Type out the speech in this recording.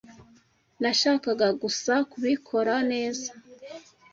Nashakaga gusa kubikora neza.